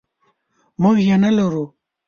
موږ یې نلرو.